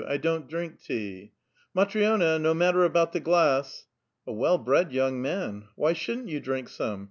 I don't drink tea. '' Mntrioiia, no matter about the ghvss. (A well bred young man I) — Whv shouMn't vou drink some?